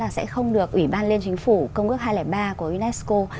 sẽ không được ủy ban liên chính phủ công ước hai trăm linh ba của unesco